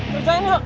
terus jalan yuk